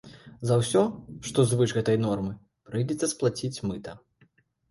За ўсё, што звыш гэтай нормы, прыйдзецца сплаціць мыта.